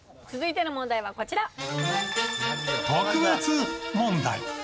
続いての問題はこちら。